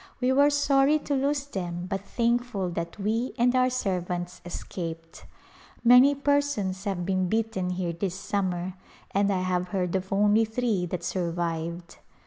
We were sorry to lose them but thankful that we and our servants escaped. Many persons have been bitten here this summer and I have heard of only three that survived.